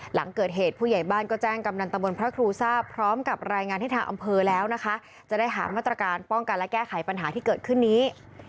หลังเกิดเหตุผู้ใหญ่บ้านก็แจ้งกำนันตะบนพระครูทราบพร้อมกับรายงานให้ทางอำเภอแล้วนะคะจะได้หามาตรการป้องกันและแก้ไขปัญหาที่เกิดขึ้นนี้